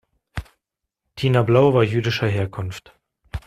Tina Blau war jüdischer Herkunft.